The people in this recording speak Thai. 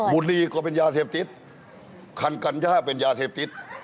บุรีก็เป็นยาเสพติดคันกัญญาเป็นยาเสพติด